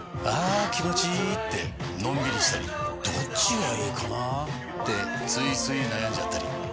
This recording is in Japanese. あ気持ちいいってのんびりしたりどっちがいいかなってついつい悩んじゃったり。